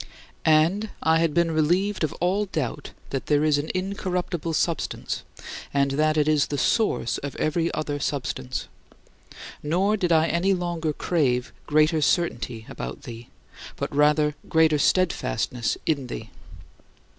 " And I had been relieved of all doubt that there is an incorruptible substance and that it is the source of every other substance. Nor did I any longer crave greater certainty about thee, but rather greater steadfastness in thee.